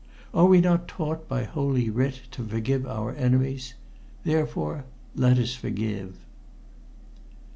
Are we not taught by Holy Writ to forgive our enemies? Therefore, let us forgive."